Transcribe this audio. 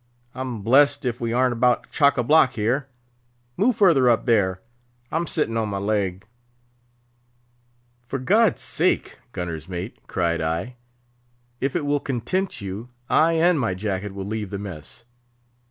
I'm blessed if we ar'n't about chock a' block here! Move further up there, I'm sitting on my leg!" "For God's sake, gunner's mate," cried I, "if it will content you, I and my jacket will leave the mess."